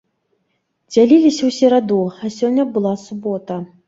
Дзяліліся ў сераду, а сёння была субота.